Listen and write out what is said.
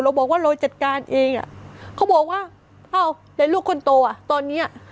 เราบอกว่าเราจัดการเองอ่ะเขาบอกว่าอ้าวแล้วลูกคนโตอ่ะตอนเนี้ย